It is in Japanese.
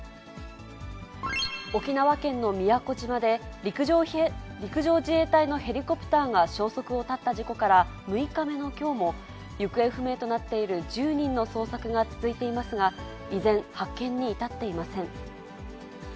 沖縄県の宮古島で、陸上自衛隊のヘリコプターが消息を絶った事故から６日目のきょうも、行方不明となっている１０人の捜索が続いていますが、依然、発見に至っていません。